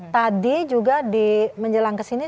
tadi juga di menjelang ke sini